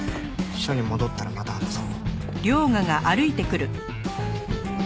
署に戻ったらまた話そう。